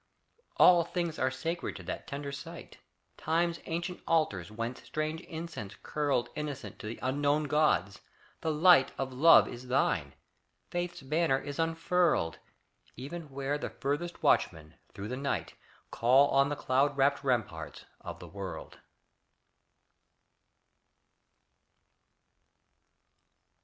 All things are sacred to that tender sight: Time's ancient altars whence strange incense curled Innocent to the unknown gods; the light Of love is thine; faith's banner is unfurled, Even where the farthest watchmen, through the night, Call on the cloud wrapped ramparts of the world.